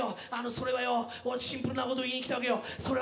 それはよ、シンプルなこと言いに来たわけよ。